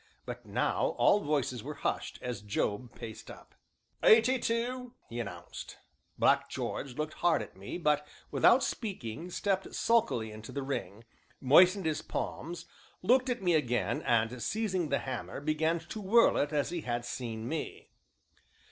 But now all voices were hushed as Job paced up. "Eighty two!" he announced. Black George looked hard at me, but, without speaking, stepped sulkily into the ring, moistened his palms, looked at me again, and seizing the hammer, began to whirl it as he had seen me.